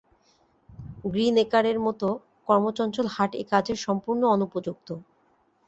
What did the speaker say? গ্রীনএকারের মত কর্মচঞ্চল হাট এ কাজের সম্পূর্ণ অনুপযুক্ত।